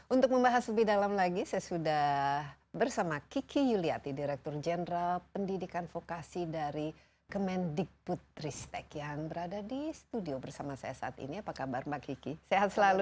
untuk membahas lebih dalam lagi saya sudah bersama kiki yuliati direktur jenderal pendidikan fokasi dari kemendik putristek yang berada di studio bersama saya saat ini apa kabar mbak kiki sehat selalu